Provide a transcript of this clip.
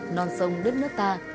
non sông đất nước ta